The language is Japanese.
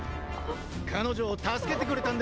彼女を助けてくれたんだよな？